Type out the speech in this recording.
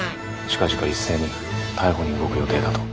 近々一斉に逮捕に動く予定だと。